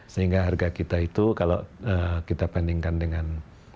sehingga harga kita itu kalau kita bandingkan dengan